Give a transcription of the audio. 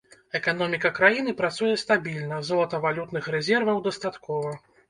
Эканоміка краіны працуе стабільна, золатавалютных рэзерваў дастаткова.